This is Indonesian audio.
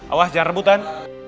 awas jangan rebutan